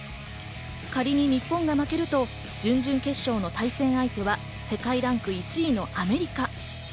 仮に日本が負けると準々決勝の対戦相手は世界ランキング１位のアメリカ。